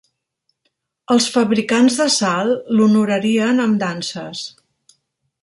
Els fabricants de sal l'honorarien amb danses.